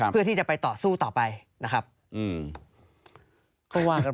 เพื่อที่จะไปต่อสู้ต่อไปนะครับ